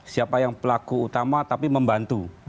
siapa yang pelaku utama tapi membantu